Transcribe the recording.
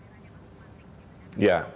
kecuali kalau di kota kota itu